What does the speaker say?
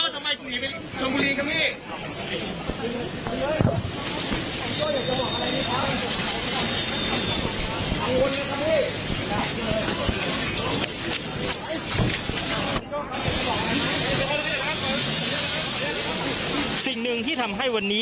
ผู้กำกับโจ้ไม่ได้ตอบอะไรออกมาเลย